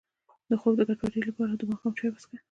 د خوب د ګډوډۍ لپاره د ماښام چای مه څښئ